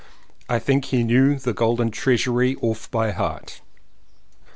I think he knew the Golden Treasury off by heart.